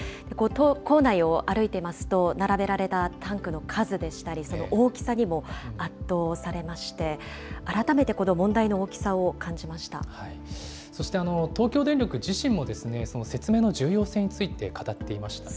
構内を歩いてますと、並べられたタンクの数でしたり、その大きさにも圧倒されまして、改めてこのそして東京電力自身も、その説明の重要性について語っていましたね。